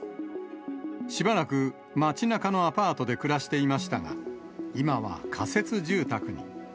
しばらく町なかのアパートで暮らしていましたが、今は仮設住宅に。